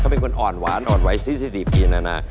เขาเป็นคนอ่อนหวานอ่อนไหว๔๔ปีนะนะ